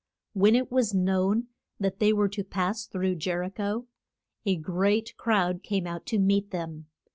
"] When it was known that they were to pass through Jer i cho a great crowd came out to meet them.